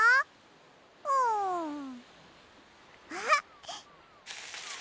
あっ！